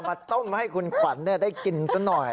มาต้มให้คุณขวัญได้กินซะหน่อย